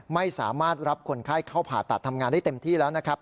ไม่สามารถรับคนไข้เข้าผ่าตัดทำงานได้เต็มที่แล้วนะครับ